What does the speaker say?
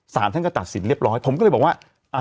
สารท่านก็ตัดสินเรียบร้อยผมก็เลยบอกว่า